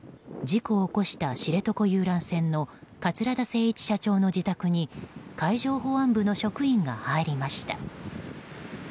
事故を起こした知床遊覧船の桂田精一社長の自宅に海上保安部の職員が入りました。